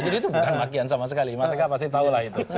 jadi itu bukan makian sama sekali mas ika pasti tahu lah itu